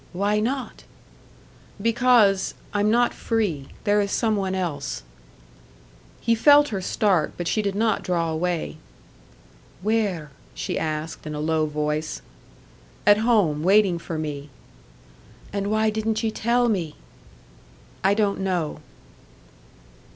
"Why not?" "Because I'm not free. There is some one else." He felt her start, but she did not draw away. "Where?" she asked, in a low voice. "At home, waiting for me." "And why didn't ye tell me?" "I don't know."